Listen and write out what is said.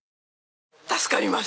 助かります。